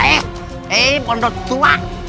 eh eh bandut tua